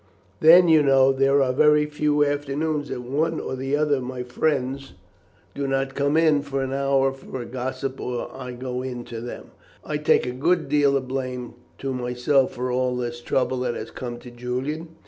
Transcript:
Then, you know, there are very few afternoons that one or other of my friends do not come in for an hour for a gossip or I go in to them. I take a good deal of blame to myself for all this trouble that has come to Julian.